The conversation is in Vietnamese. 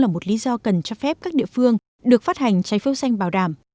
là một lý do cần cho phép các địa phương được phát hành trái phiếu xanh bảo đảm